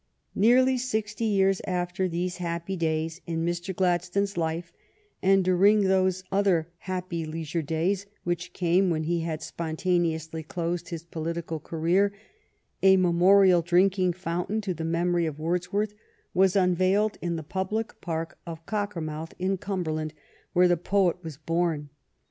Nearly sixty years after those happy leisure days in Mr. Gladstone's life, and dur ing those other happy leisure days which came when he had spontaneously closed his political career, a me morial drinking fountain to the memory of Wordsworth was unveiled in the public park of Cockermouth, in Cumberland, where the poet was born.